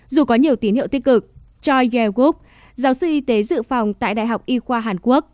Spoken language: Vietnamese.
dù có nhiều tín hiệu tích cực choi yair gook giáo sư y tế dự phòng tại đại học y khoa hàn quốc